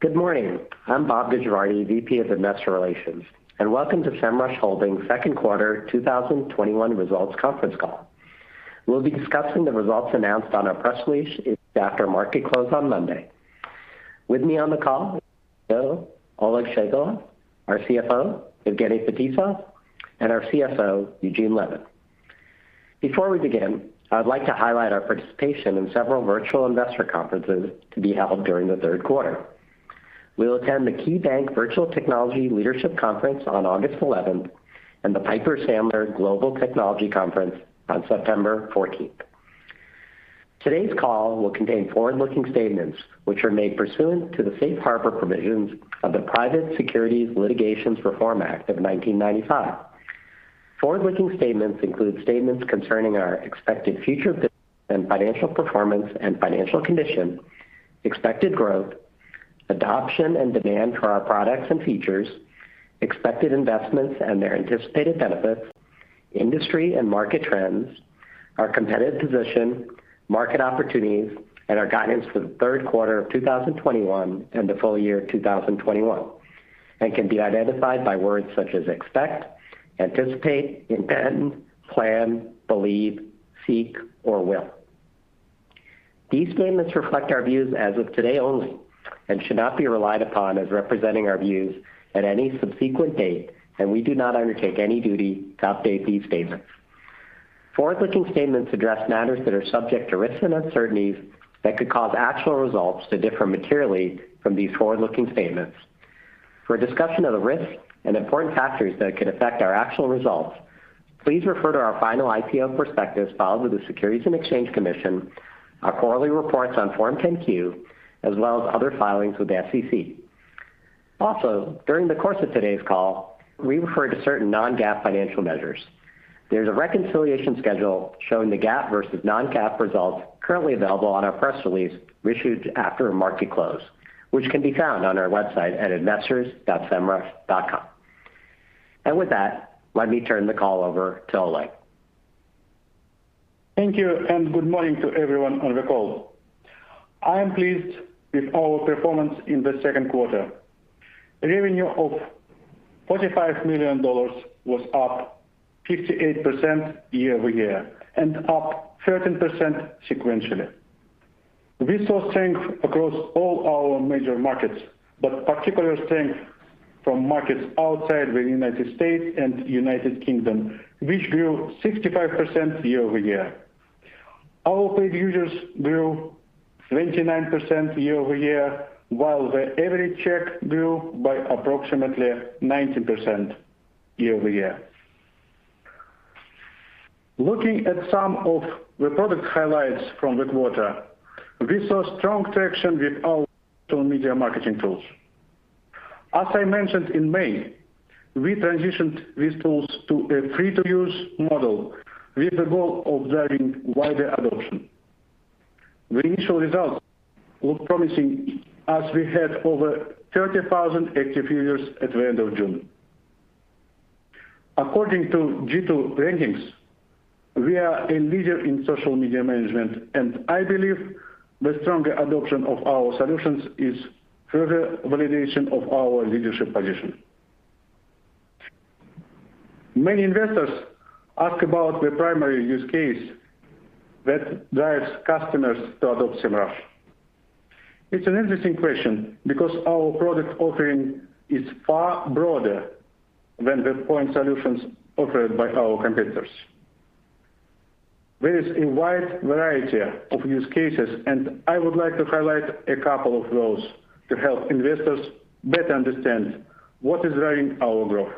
Good morning. I'm Bob Gujavarty, VP of Investor Relations, welcome to Semrush Holdings second quarter 2021 results conference call. We'll be discussing the results announced on our press release issued after market close on Monday. With me on the call, Oleg Shchegolev, our CFO, Evgeny Fetisov, and our CSO, Eugene Levin. Before we begin, I would like to highlight our participation in several virtual investor conferences to be held during the third quarter. We'll attend the KeyBanc Virtual Technology Leadership Conference on August 11th and the Piper Sandler Global Technology Conference on September 14th. Today's call will contain forward-looking statements which are made pursuant to the Safe Harbor Provisions of the Private Securities Litigation Reform Act of 1995. Forward-looking statements include statements concerning our expected future business and financial performance and financial condition, expected growth, adoption and demand for our products and features, expected investments and their anticipated benefits, industry and market trends, our competitive position, market opportunities, and our guidance for the third quarter of 2021 and the full year 2021, and can be identified by words such as "expect," "anticipate," "intend," "plan," "believe," "seek" or "will." These statements reflect our views as of today only and should not be relied upon as representing our views at any subsequent date, and we do not undertake any duty to update these statements. Forward-looking statements address matters that are subject to risks and uncertainties that could cause actual results to differ materially from these forward-looking statements. For a discussion of the risks and important factors that could affect our actual results, please refer to our final IPO prospectus filed with the Securities and Exchange Commission, our quarterly reports on Form 10-Q, as well as other filings with the SEC. During the course of today's call, we refer to certain non-GAAP financial measures. There's a reconciliation schedule showing the GAAP versus non-GAAP results currently available on our press release issued after market close, which can be found on our website at investors.semrush.com. With that, let me turn the call over to Oleg. Thank you. Good morning to everyone on the call. I am pleased with our performance in the second quarter. Revenue of $45 million was up 58% year-over-year and up 13% sequentially. We saw strength across all our major markets, but particular strength from markets outside the United States and United Kingdom, which grew 65% year-over-year. Our paid users grew 29% year-over-year, while the average check grew by approximately 19% year-over-year. Looking at some of the product highlights from the quarter. We saw strong traction with our social media marketing tools. As I mentioned in May, we transitioned these tools to a free-to-use model with the goal of driving wider adoption. The initial results look promising as we had over 30,000 active users at the end of June. According to G2 rankings, we are a leader in social media management, and I believe the stronger adoption of our solutions is further validation of our leadership position. Many investors ask about the primary use case that drives customers to adopt Semrush. It's an interesting question because our product offering is far broader than the point solutions offered by our competitors. There is a wide variety of use cases, and I would like to highlight a couple of those to help investors better understand what is driving our growth.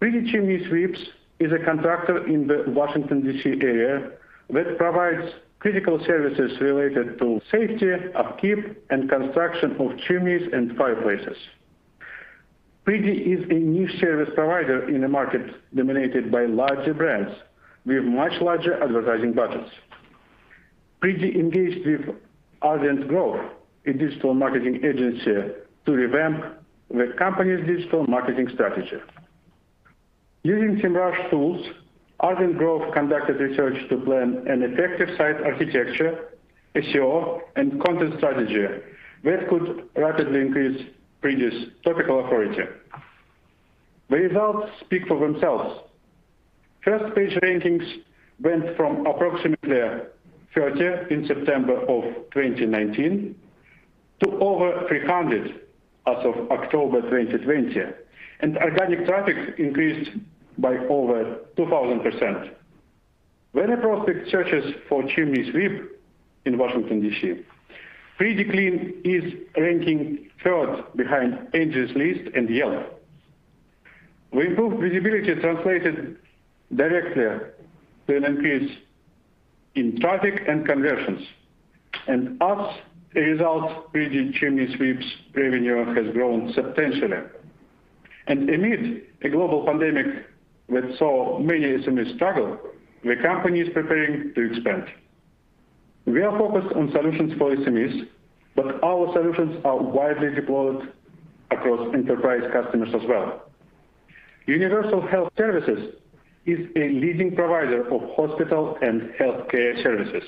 Priddy Chimney Sweeps is a contractor in the Washington, D.C., area that provides critical services related to safety, upkeep, and construction of chimneys and fireplaces. Priddy is a new service provider in a market dominated by larger brands with much larger advertising budgets. Priddy engaged with Ardent Growth, a digital marketing agency, to revamp the company's digital marketing strategy. Using Semrush tools, Ardent Growth conducted research to plan an effective site architecture, SEO, and content strategy that could rapidly increase Priddy's topical authority. The results speak for themselves. First page rankings went from approximately 30 in September of 2019 to over 300 as of October 2020, and organic traffic increased by over 2,000%. When a prospect searches for chimney sweep in Washington, D.C., Priddy Chimney Sweeps is ranking third behind Angie's List and Yelp. The improved visibility translated directly to an increase in traffic and conversions. As a result, Priddy Chimney Sweeps revenue has grown substantially. Amid a global pandemic that saw many SMEs struggle, the company is preparing to expand. We are focused on solutions for SMEs, but our solutions are widely deployed across enterprise customers as well. Universal Health Services is a leading provider of hospital and healthcare services.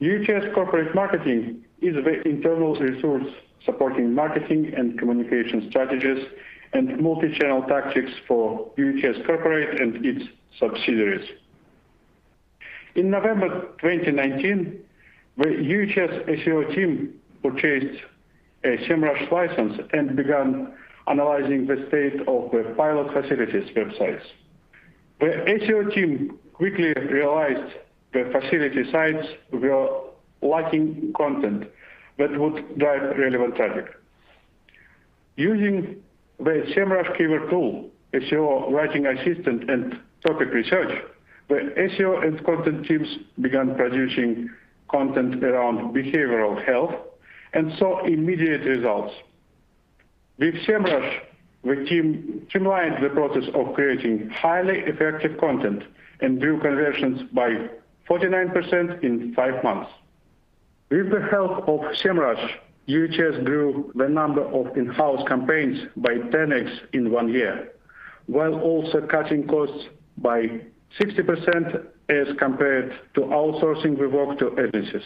UHS Corporate Marketing is the internal resource supporting marketing and communication strategies and multi-channel tactics for UHS Corporate and its subsidiaries. In November 2019, the UHS SEO team purchased a Semrush license and began analyzing the state of the pilot facilities websites. The SEO team quickly realized the facility sites were lacking content that would drive relevant traffic. Using the Semrush Keyword Magic Tool, SEO Writing Assistant, and Topic Research, the SEO and content teams began producing content around behavioral health and saw immediate results. With Semrush, the team streamlined the process of creating highly effective content and grew conversions by 49% in five months. With the help of Semrush, UHS grew the number of in-house campaigns by 10x in one year, while also cutting costs by 60% as compared to outsourcing the work to agencies.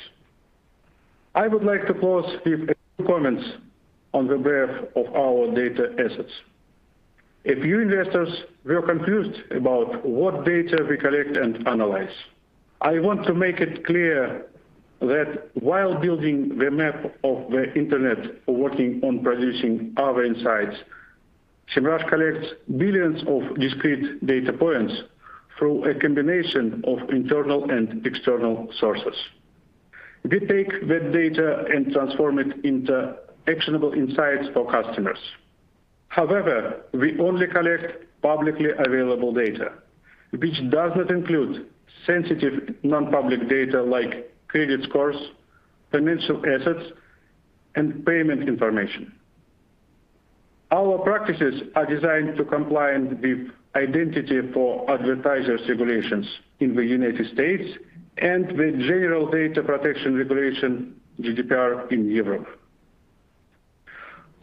I would like to close with a few comments on the breadth of our data assets. A few investors were confused about what data we collect and analyze. I want to make it clear that while building the map of the internet, working on producing our insights, Semrush collects billions of discrete data points through a combination of internal and external sources. We take that data and transform it into actionable insights for customers. However, we only collect publicly available data, which does not include sensitive non-public data like credit scores, financial assets, and payment information. Our practices are designed to comply with Identifier for Advertisers regulations in the United States and the General Data Protection Regulation, GDPR, in Europe.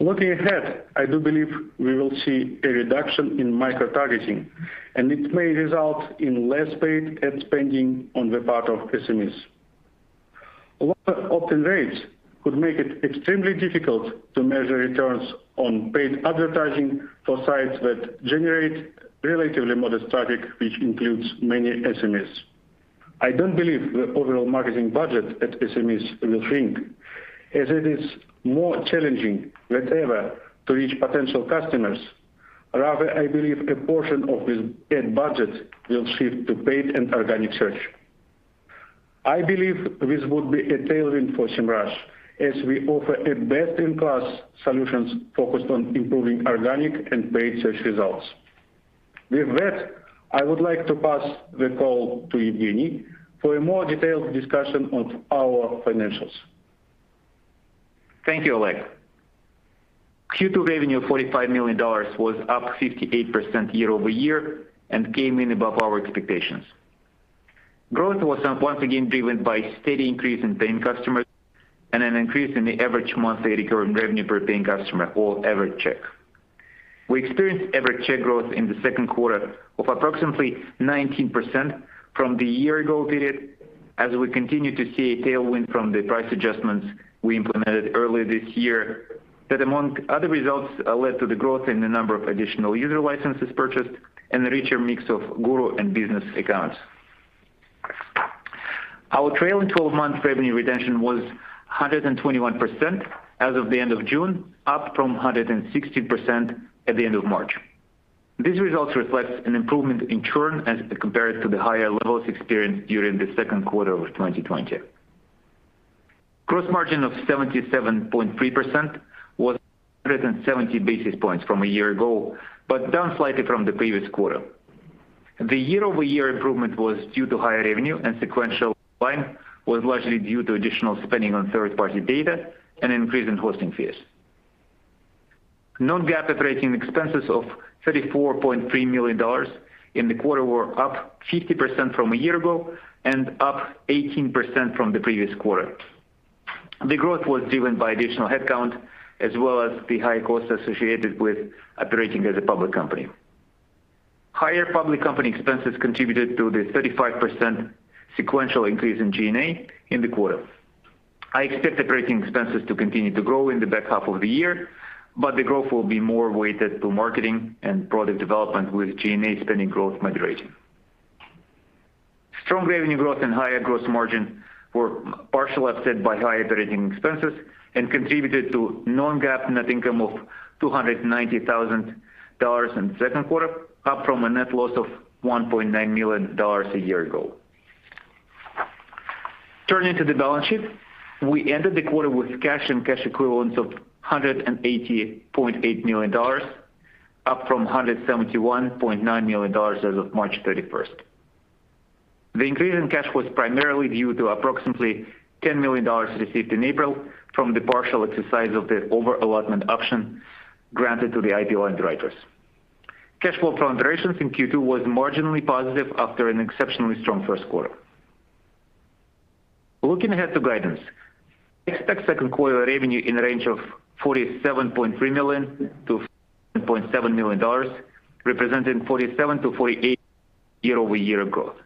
Looking ahead, I do believe we will see a reduction in micro-targeting, and it may result in less paid ad spending on the part of SMEs. Lower open rates could make it extremely difficult to measure returns on paid advertising for sites that generate relatively modest traffic, which includes many SMEs. I don't believe the overall marketing budget at SMEs will shrink, as it is more challenging than ever to reach potential customers. Rather, I believe a portion of this ad budget will shift to paid and organic search. I believe this would be a tailwind for Semrush as we offer a best-in-class solutions focused on improving organic and paid search results. With that, I would like to pass the call to Evgeny for a more detailed discussion on our financials. Thank you, Oleg. Q2 revenue of $45 million was up 58% year-over-year and came in above our expectations. Growth was once again driven by a steady increase in paying customers and an increase in the average monthly recurring revenue per paying customer or average check. We experienced average check growth in the second quarter of approximately 19% from the year-ago period, as we continue to see a tailwind from the price adjustments we implemented early this year, that among other results led to the growth in the number of additional user licenses purchased and a richer mix of Guru and business accounts. Our trailing 12-month revenue retention was 121% as of the end of June, up from 116% at the end of March. These results reflect an improvement in churn as compared to the higher levels experienced during the second quarter of 2020. Gross margin of 77.3% was up 170 basis points from a year ago, but down slightly from the previous quarter. The year-over-year improvement was due to higher revenue and sequential decline was largely due to additional spending on third-party data and an increase in hosting fees. Non-GAAP operating expenses of $34.3 million in the quarter were up 50% from a year ago and up 18% from the previous quarter. The growth was driven by additional headcount as well as the high costs associated with operating as a public company. Higher public company expenses contributed to the 35% sequential increase in G&A in the quarter. I expect operating expenses to continue to grow in the back half of the year, but the growth will be more weighted to marketing and product development with G&A spending growth moderating. Strong revenue growth and higher gross margin were partially offset by higher operating expenses and contributed to non-GAAP net income of $290,000 in the second quarter, up from a net loss of $1.9 million a year ago. Turning to the balance sheet, we ended the quarter with cash and cash equivalents of $180.8 million, up from $171.9 million as of March 31st. The increase in cash was primarily due to approximately $10 million received in April from the partial exercise of the over-allotment option granted to the IPO underwriters. Cash flow from operations in Q2 was marginally positive after an exceptionally strong first quarter. Looking ahead to guidance, expect second quarter revenue in the range of $47.3 million to $47.7 million, representing 47%-48% year-over-year growth.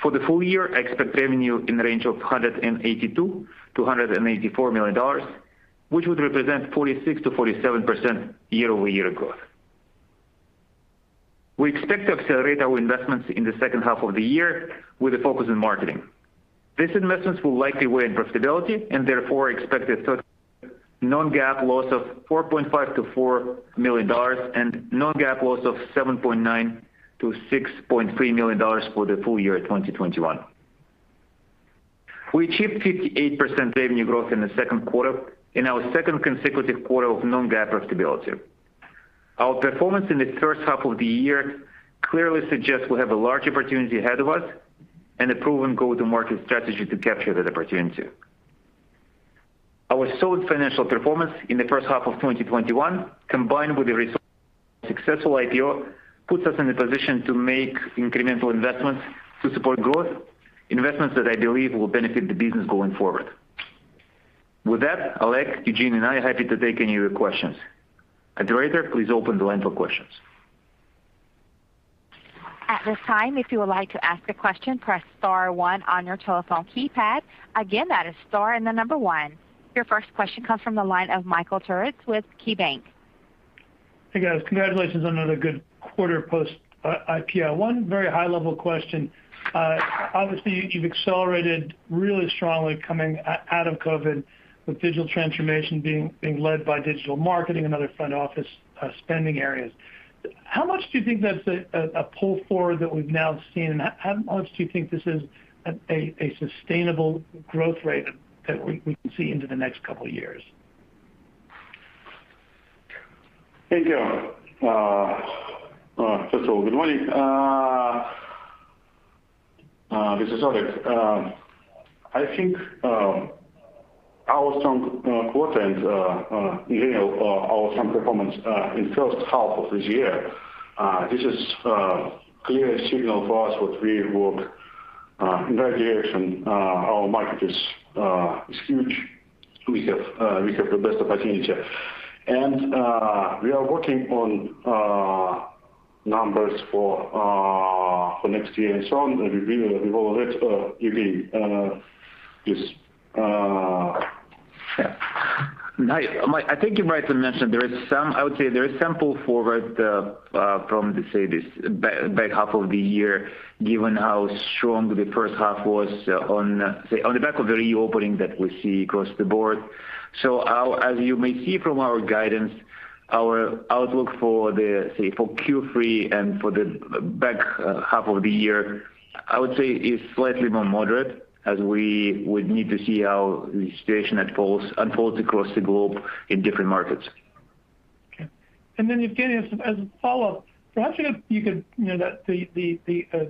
For the full year, expect revenue in the range of $182 million-$184 million, which would represent 46%-47% year-over-year growth. We expect to accelerate our investments in the second half of the year with a focus on marketing. These investments will likely weigh on profitability and therefore expect a non-GAAP loss of $4.5 million-$4 million and non-GAAP loss of $7.9 million-$6.3 million for the full year 2021. We achieved 58% revenue growth in the second quarter in our second consecutive quarter of non-GAAP profitability. Our performance in the first half of the year clearly suggests we have a large opportunity ahead of us and a proven go-to-market strategy to capture that opportunity. Our solid financial performance in the first half of 2021, combined with the successful IPO, puts us in a position to make incremental investments to support growth, investments that I believe will benefit the business going forward. With that, Oleg, Eugene, and I are happy to take any of your questions. Operator, please open the line for questions. Your first question comes from the line of Michael Turits with KeyBanc. Hey, guys. Congratulations on another good quarter post-IPO. One very high-level question. Obviously, you've accelerated really strongly coming out of COVID with digital transformation being led by digital marketing and other front office spending areas. How much do you think that's a pull forward that we've now seen, and how much do you think this is a sustainable growth rate that we can see into the next couple of years? Thank you. First of all, good morning. This is Oleg. I think our strong quarter and our strong performance in first half of this year, this is clear signal for us that we work in right direction. Our market is huge. We have the best opportunity. We are working on numbers for next year and so on. Maybe we roll it, maybe this. Yeah. I think you rightly mentioned, I would say there is some pull forward from, say, this back half of the year, given how strong the first half was on the back of the reopening that we see across the board. As you may see from our guidance, our outlook for Q3 and for the back half of the year, I would say is slightly more moderate as we would need to see how the situation unfolds across the globe in different markets. Okay. Eugene, as a follow-up, the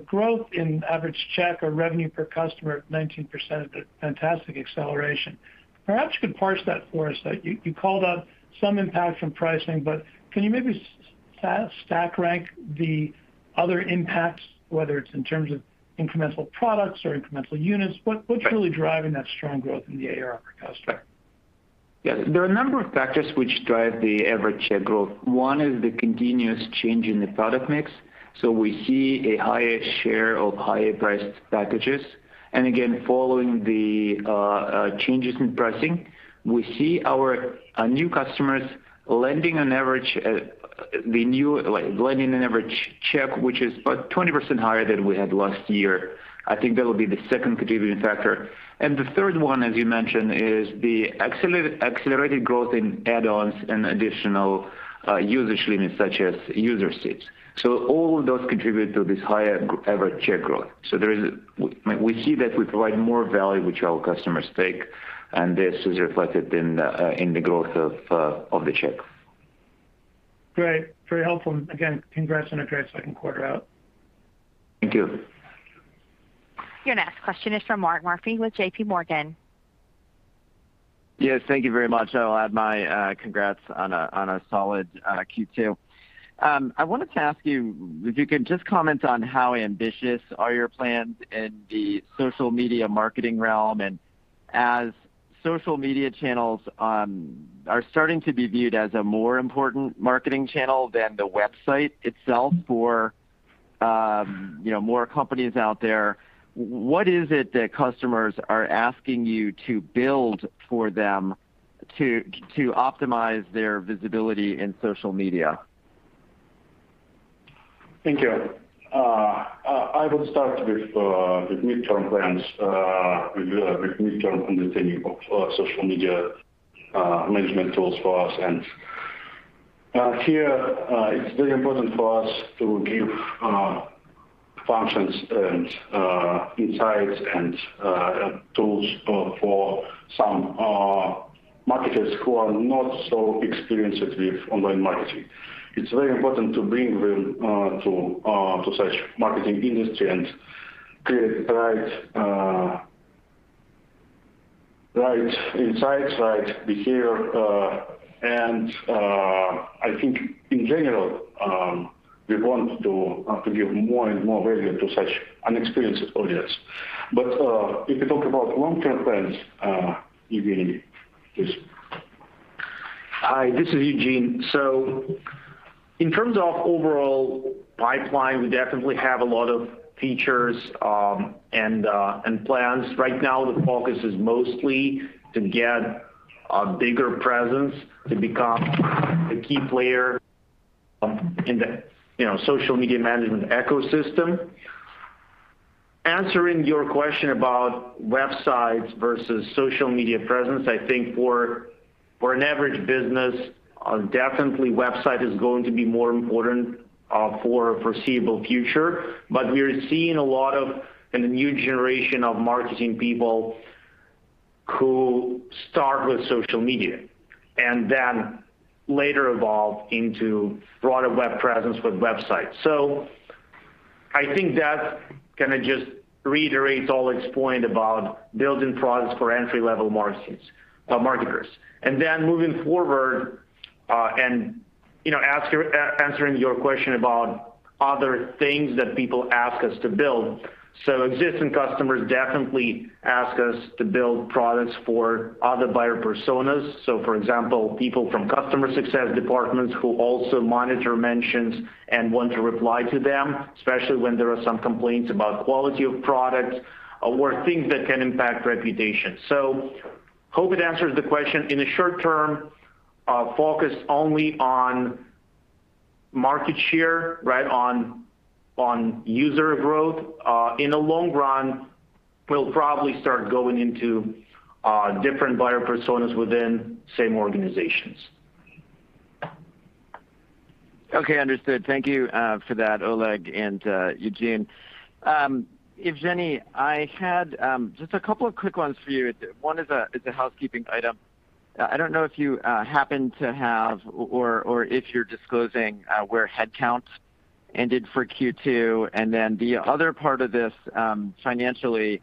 growth in average check or revenue per customer at 19%, a fantastic acceleration. Perhaps you could parse that for us. You called out some impact from pricing, can you maybe stack rank the other impacts, whether it's in terms of incremental products or incremental units? What is really driving that strong growth in the AR per customer? Yes. There are a number of factors which drive the average check growth. One is the continuous change in the product mix, so we see a higher share of higher-priced packages. Again, following the changes in pricing, we see our new customers lending an average check which is about 20% higher than we had last year. I think that would be the second contributing factor. The third one, as you mentioned, is the accelerated growth in add-ons and additional usage limits, such as user seats. All of those contribute to this higher average check growth. We see that we provide more value which our customers take, and this is reflected in the growth of the check. Great. Very helpful. Again, congrats on a great second quarter out. Thank you. Your next question is from Mark Murphy with JPMorgan. Yes, thank you very much. I will add my congrats on a solid Q2. I wanted to ask you if you could just comment on how ambitious are your plans in the social media marketing realm. As social media channels are starting to be viewed as a more important marketing channel than the website itself for more companies out there, what is it that customers are asking you to build for them to optimize their visibility in social media? Thank you. I would start with mid-term plans. With mid-term understanding of social media management tools for us. Here, it's very important for us to give functions and insights and tools for some marketers who are not so experienced with online marketing. It's very important to bring them to such marketing industry and create the right insights, right. We hear, and I think in general, we want to give more and more value to such an experienced audience. If you talk about long-term plans, Eugene, please. Hi, this is Eugene. In terms of overall pipeline, we definitely have a lot of features and plans. Right now, the focus is mostly to get a bigger presence to become a key player in the social media management ecosystem. Answering your question about websites versus social media presence, I think for an average business, definitely website is going to be more important for foreseeable future. We're seeing a lot of a new generation of marketing people who start with social media and then later evolve into broader web presence with websites. I think that kind of just reiterates Oleg's point about building products for entry-level marketers. Moving forward, and answering your question about other things that people ask us to build. Existing customers definitely ask us to build products for other buyer personas. For example, people from customer success departments who also monitor mentions and want to reply to them, especially when there are some complaints about quality of product or things that can impact reputation. Hope it answers the question. In the short term, focus only on market share, on user growth. In the long run, we'll probably start going into different buyer personas within same organizations. Okay, understood. Thank you for that, Oleg and Eugene. Evgeny, I had just a couple of quick ones for you. One is a housekeeping item. I don't know if you happen to have or if you're disclosing where headcounts ended for Q2. The other part of this, financially,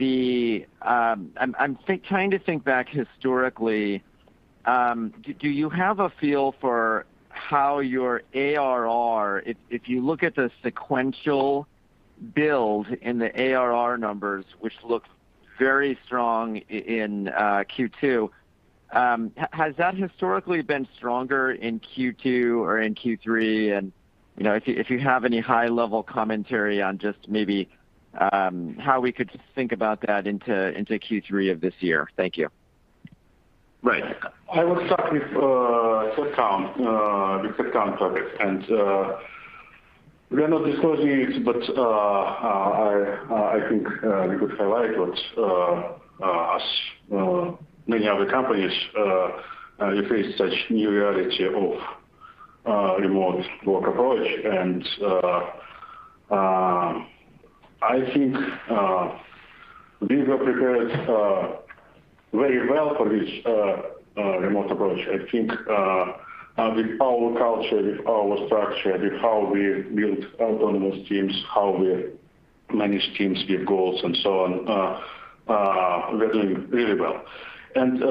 I'm trying to think back historically. Do you have a feel for how your ARR, if you look at the sequential build in the ARR numbers, which look very strong in Q2, has that historically been stronger in Q2 or in Q3? If you have any high-level commentary on just maybe how we could think about that into Q3 of this year. Thank you. Right. I will start with headcount topic. We are not disclosing it, but I think we could highlight what us, many other companies, face such new reality of remote work approach. I think we were prepared very well for this remote approach. I think with our culture, with our structure, with how we build autonomous teams, how we manage teams, give goals, and so on, we're doing really well. With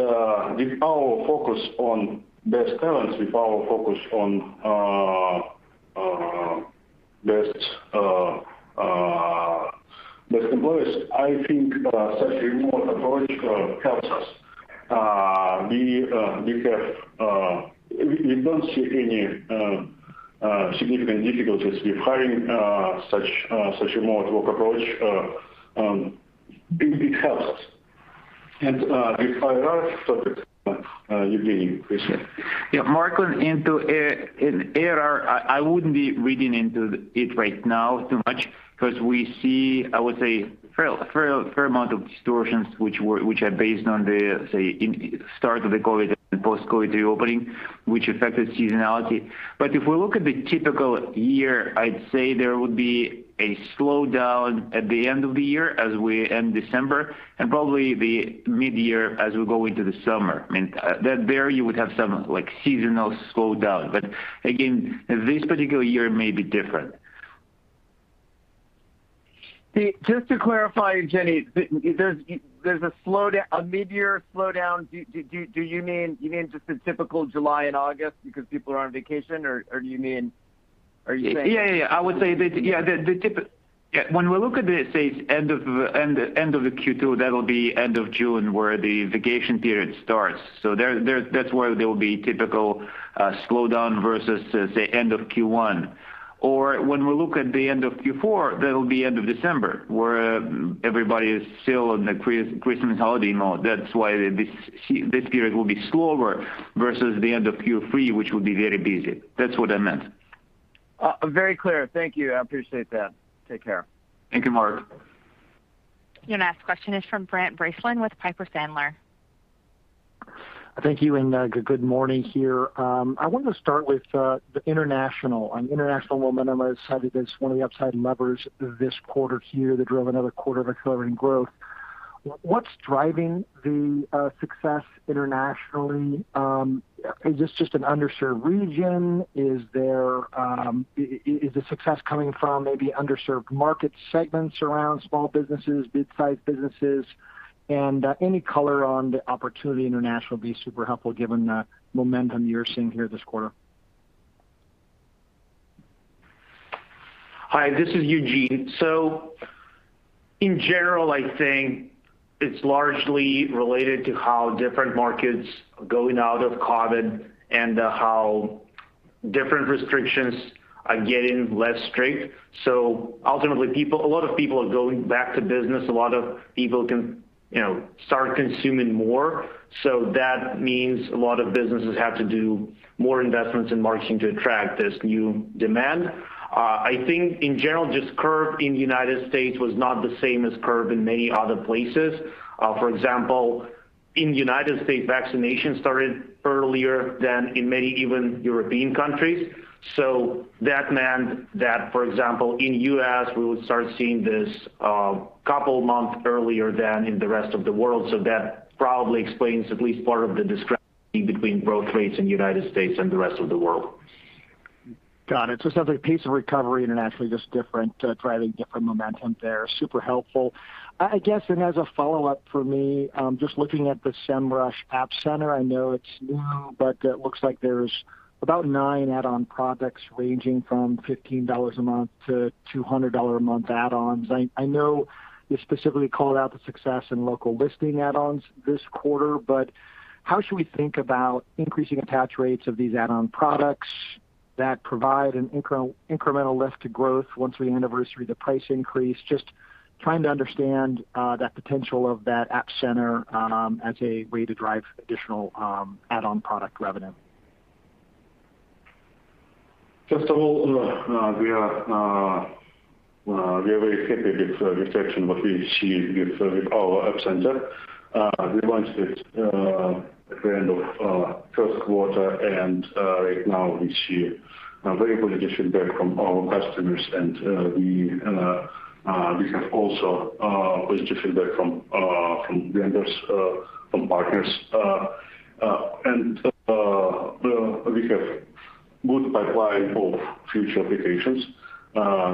our focus on best talents, with our focus on best employees, I think such remote approach helps us. We don't see any significant difficulties with having such remote work approach. It helps us. With ARR topic, Evgeny, please, yeah. Mark, on ARR, I wouldn't be reading into it right now too much because we see, I would say, a fair amount of distortions which are based on the, say, start of the COVID and post-COVID reopening, which affected seasonality. If we look at the typical year, I'd say there would be a slowdown at the end of the year as we end December, and probably the mid-year as we go into the summer. There you would have some seasonal slowdown. Again, this particular year may be different. Just to clarify, Evgeny, there's a mid-year slowdown. You mean just the typical July and August because people are on vacation, or you saying? When we look at the, say, end of the Q2, that'll be end of June where the vacation period starts. When we look at the end of Q4, that'll be end of December, where everybody is still in the Christmas holiday mode. This period will be slower versus the end of Q3, which will be very busy. That's what I meant. Very clear. Thank you. I appreciate that. Take care. Thank you, Mark. Your next question is from Brent Bracelin with Piper Sandler. Thank you. Good morning here. I wanted to start with the international. International momentum, I decided that's one of the upside levers this quarter here that drove another quarter of accelerating growth. What's driving the success internationally? Is this just an underserved region? Is the success coming from maybe underserved market segments around small businesses, mid-size businesses? Any color on the opportunity international would be super helpful given the momentum you're seeing here this quarter. Hi, this is Eugene. In general, I think it's largely related to how different markets are going out of COVID and how different restrictions are getting less strict. Ultimately, a lot of people are going back to business, a lot of people can start consuming more. That means a lot of businesses have to do more investments in marketing to attract this new demand. I think in general, just curve in the United States was not the same as curve in many other places. For example, in the United States, vaccination started earlier than in many even European countries. That meant that, for example, in U.S., we would start seeing this a couple month earlier than in the rest of the world. That probably explains at least part of the discrepancy between growth rates in the United States and the rest of the world. Got it. It's another pace of recovery internationally, just different, driving different momentum there. Super helpful. I guess, as a follow-up for me, just looking at the Semrush App Center, I know it's new, but it looks like there's about nine add-on products ranging from $15 a month to $200 a month add-ons. I know you specifically called out the success in Listing Management add-ons this quarter, how should we think about increasing attach rates of these add-on products that provide an incremental lift to growth once we anniversary the price increase? Just trying to understand that potential of that App Center as a way to drive additional add-on product revenue. First of all, we are very happy with the traction what we see with our App Center. We launched it at the end of first quarter. Right now we see very good addition there from our customers and we have also positive feedback from vendors, from partners. We have good pipeline of future applications.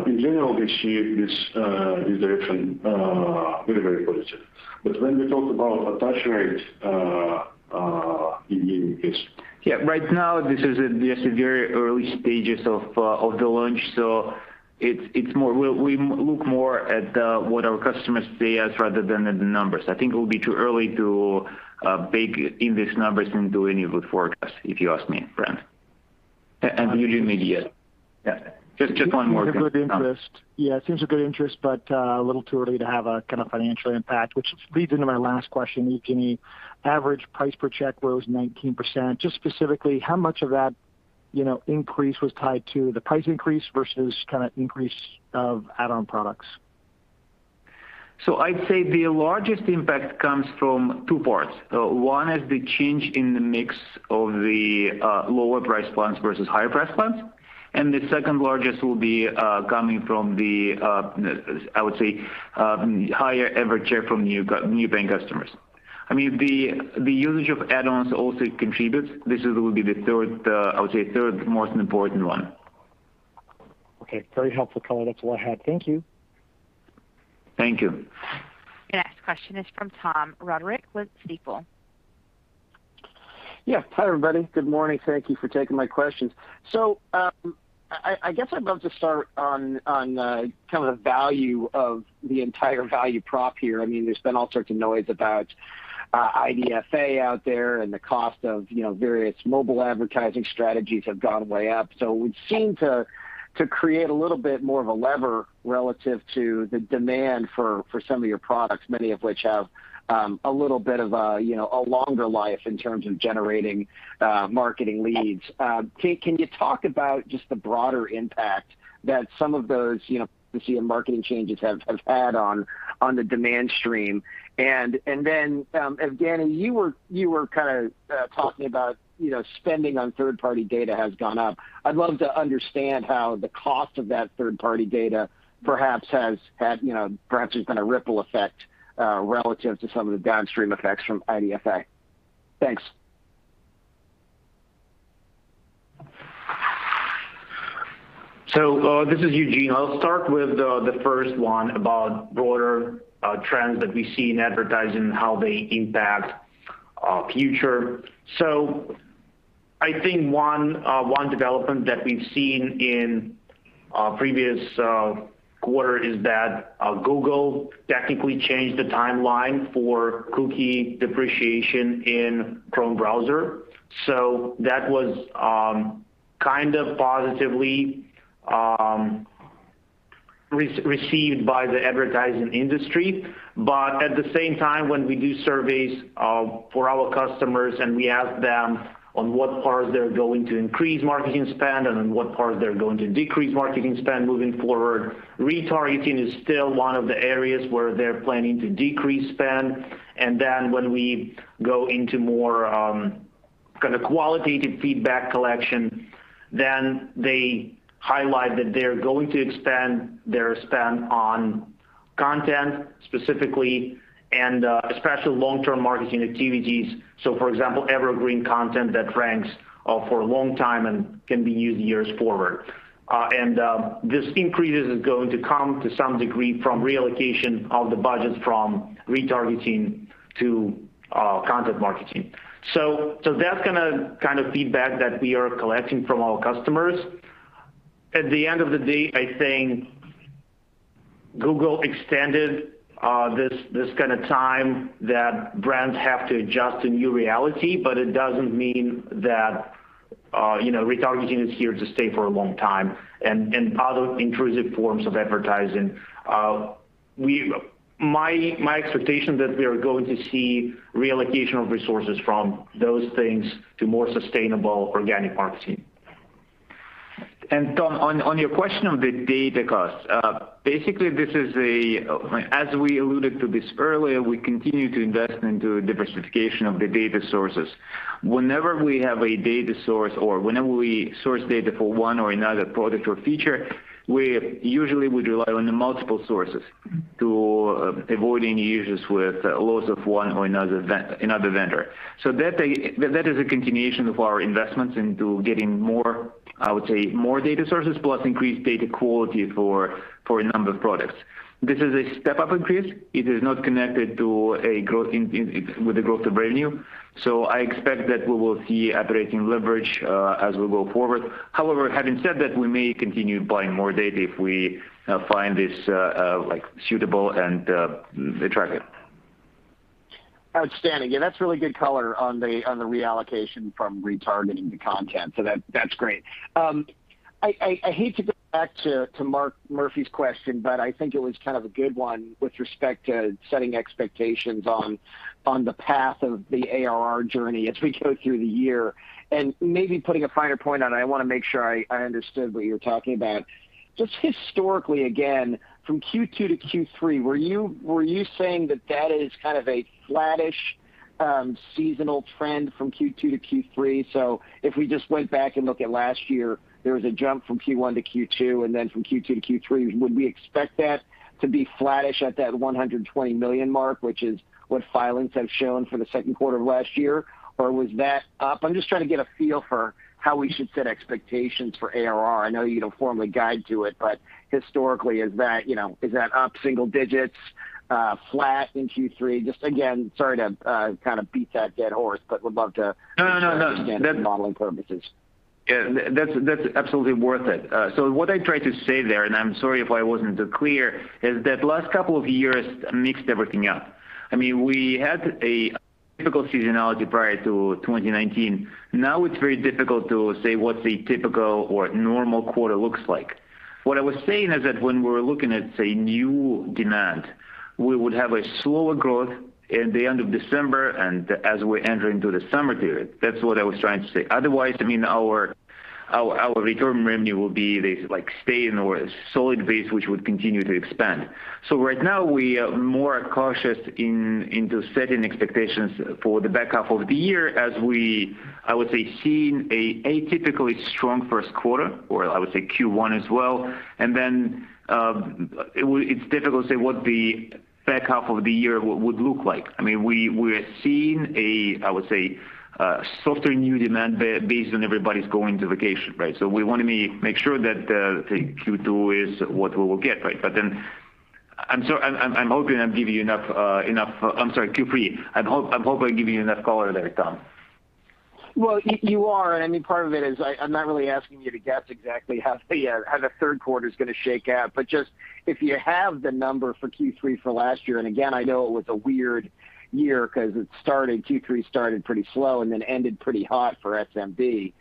In general, we see this direction very, very positive. When we talk about attach rate, Evgeny please. Yeah. Right now, this is at the very early stages of the launch. We look more at what our customers say rather than the numbers. I think it would be too early to bake in these numbers and do any good forecast, if you ask me, Brent. I understand. yeah, just one more thing. Seems a good interest. Yeah, it seems a good interest, but a little too early to have a financial impact, which leads into my last question, Evgeny. Average price per check rose 19%. Just specifically, how much of that increase was tied to the price increase versus increase of add-on products? I'd say the largest impact comes from two parts. One is the change in the mix of the lower price plans versus higher price plans, and the second largest will be coming from the, I would say, higher average share from new paying customers. The usage of add-ons also contributes. This will be, I would say, third most important one. Okay. Very helpful color. That's all I had. Thank you. Thank you. Your next question is from Tom Roderick with Stifel. Yeah. Hi, everybody. Good morning. Thank you for taking my questions. I guess I'd love to start on the value of the entire value prop here. There's been all sorts of noise about IDFA out there and the cost of various mobile advertising strategies have gone way up. It would seem to create a little bit more of a lever relative to the demand for some of your products, many of which have a little bit of a longer life in terms of generating marketing leads. Can you talk about just the broader impact that some of those efficiency and marketing changes have had on the demand stream? Evgeny, you were talking about spending on third-party data has gone up. I'd love to understand how the cost of that third-party data perhaps has been a ripple effect relative to some of the downstream effects from IDFA. Thanks. This is Eugene. I'll start with the first one about broader trends that we see in advertising and how they impact our future. I think one development that we've seen in our previous quarter is that Google technically changed the timeline for cookie deprecation in Chrome browser. That was kind of positively received by the advertising industry. At the same time, when we do surveys for our customers and we ask them on what parts they're going to increase marketing spend and on what parts they're going to decrease marketing spend moving forward, retargeting is still one of the areas where they're planning to decrease spend. When we go into more qualitative feedback collection, then they highlight that they're going to expand their spend on content specifically, and especially long-term marketing activities. For example, evergreen content that ranks for a long time and can be used years forward. This increase is going to come, to some degree, from reallocation of the budget from retargeting to content marketing. That's the kind of feedback that we are collecting from our customers. At the end of the day, I think Google extended this kind of time that brands have to adjust to new reality, but it doesn't mean that retargeting is here to stay for a long time, and other intrusive forms of advertising. My expectation that we are going to see reallocation of resources from those things to more sustainable organic marketing. Tom, on your question of the data costs, basically, as we alluded to this earlier, we continue to invest into diversification of the data sources. Whenever we have a data source or whenever we source data for one or another product or feature, we usually would rely on the multiple sources to avoid any issues with loss of one or another vendor. That is a continuation of our investments into getting, I would say, more data sources, plus increased data quality for a number of products. This is a step-up increase. It is not connected with the growth of revenue. I expect that we will see operating leverage as we go forward. However, having said that, we may continue buying more data if we find this suitable and attractive. Outstanding. Yeah, that's really good color on the reallocation from retargeting to content. That's great. I hate to go back to Mark Murphy's question, I think it was kind of a good one with respect to setting expectations on the path of the ARR journey as we go through the year. Maybe putting a finer point on it, I want to make sure I understood what you're talking about. Just historically, again, from Q2 to Q3, were you saying that that is kind of a flattish, seasonal trend from Q2 to Q3? If we just went back and look at last year, there was a jump from Q1 to Q2, and then from Q2 to Q3. Would we expect that to be flattish at that $120 million mark, which is what filings have shown for the second quarter of last year? Was that up? I'm just trying to get a feel for how we should set expectations for ARR. I know you don't formally guide to it, but historically, is that up single digits, flat in Q3? Just again, sorry to kind of beat that dead horse, but would love to. No. understand modeling purposes. Yeah. That's absolutely worth it. What I tried to say there, and I'm sorry if I wasn't clear, is that last couple of years mixed everything up. We had a typical seasonality prior to 2019. It's very difficult to say what the typical or normal quarter looks like. What I was saying is that when we're looking at, say, new demand, we would have a slower growth at the end of December and as we're entering through the summer period. That's what I was trying to say. Otherwise, our return revenue will be this like stay in or solid base, which would continue to expand. Right now, we are more cautious into setting expectations for the back half of the year as we, I would say, seen a atypically strong first quarter or I would say Q1 as well. It's difficult to say what the back half of the year would look like. We are seeing a, I would say, softer new demand based on everybody's going to vacation, right? We want to make sure that the Q2 is what we will get, right? I'm sorry, Q3. I'm hoping I'm giving you enough color there, Tom. Well, you are. Part of it is I'm not really asking you to guess exactly how the third quarter's going to shake out. Just if you have the number for Q3 for last year, again, I know it was a weird year because Q3 started pretty slow and then ended pretty hot for SMB.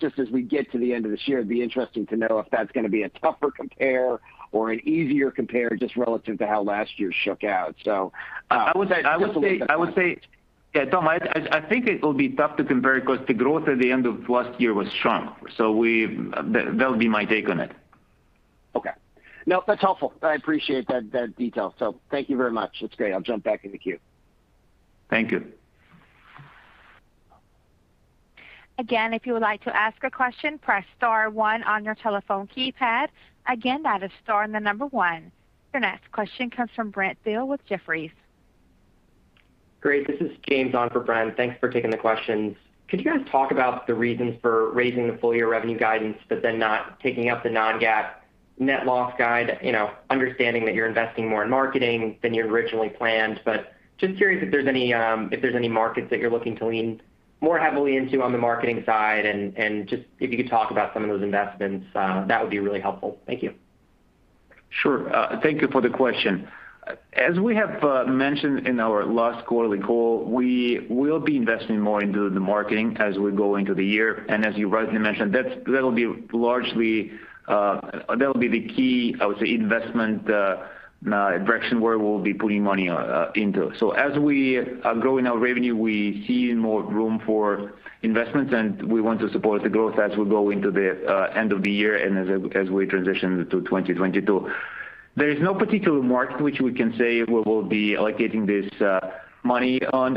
Just as we get to the end of this year, it'd be interesting to know if that's going to be a tougher compare or an easier compare just relative to how last year shook out. I would say, Just looking at that. Tom, I think it will be tough to compare because the growth at the end of last year was strong. That would be my take on it. Okay. No, that's helpful. I appreciate that detail. Thank you very much. That's great. I'll jump back in the queue. Thank you. Your next question comes from Brent Thill with Jefferies. Great. This is James on for Brent. Thanks for taking the questions. Could you guys talk about the reasons for raising the full-year revenue guidance but then not taking up the non-GAAP net loss guide? Understanding that you're investing more in marketing than you originally planned, but just curious if there's any markets that you're looking to lean more heavily into on the marketing side and just if you could talk about some of those investments, that would be really helpful. Thank you. Sure. Thank you for the question. As we have mentioned in our last quarterly call, we will be investing more into the marketing as we go into the year. As you rightly mentioned, that'll be the key, I would say, investment direction where we'll be putting money into. As we are growing our revenue, we see more room for investments, and we want to support the growth as we go into the end of the year and as we transition to 2022. There is no particular market which we can say we will be allocating this money on.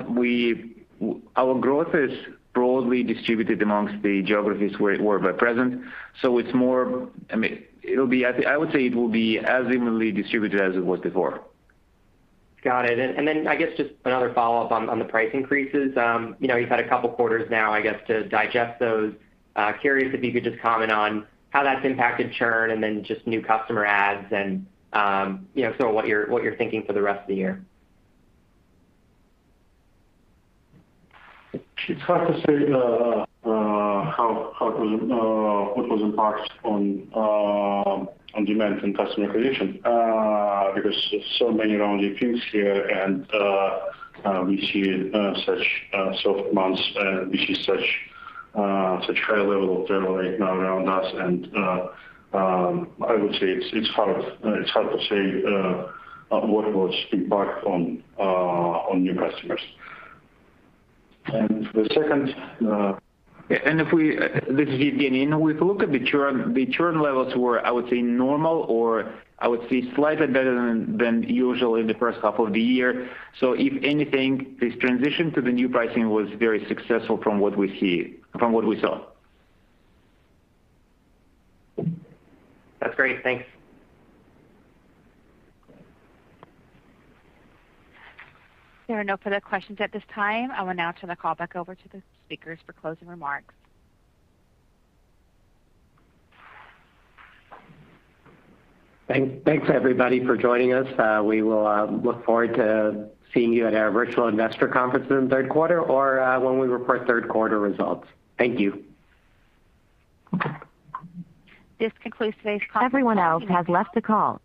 Our growth is broadly distributed amongst the geographies where we're present. I would say it will be as evenly distributed as it was before. Got it. Just another follow-up on the price increases. You've had two quarters now to digest those. Curious if you could just comment on how that's impacted churn and then just new customer adds and what you're thinking for the rest of the year. It's hard to say what was impact on demand and customer acquisition because there's so many moving things here, and we see such soft months, and we see such high level of churn right now around us, and I would say it's hard to say what was impact on new customers. If we, this is Evgeny. If we look at the churn, the churn levels were, I would say, normal, or I would say slightly better than usual in the first half of the year. If anything, this transition to the new pricing was very successful from what we saw. That's great. Thanks. There are no further questions at this time. I will now turn the call back over to the speakers for closing remarks. Thanks everybody for joining us. We will look forward to seeing you at our virtual investor conference in the third quarter or when we report third quarter results. Thank you. This concludes today's conference call. You may now disconnect.